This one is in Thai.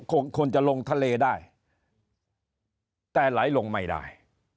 ควรจะลงทะเลได้แต่ไหลลงไม่ได้